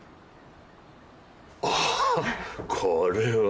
ああこれは。